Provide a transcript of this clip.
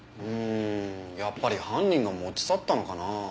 うんやっぱり犯人が持ち去ったのかな？